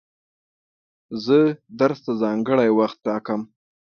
زه درس ته ځانګړی وخت ټاکم.